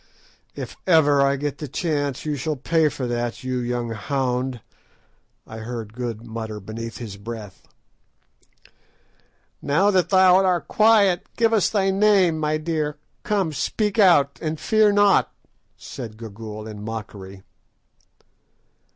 "If ever I get the chance you shall pay for that, you young hound!" I heard Good mutter beneath his breath. "Now that thou art quiet, give us thy name, my dear. Come, speak out, and fear not," said Gagool in mockery.